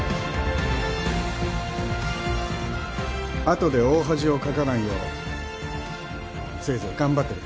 後で大恥をかかないようせいぜい頑張ってください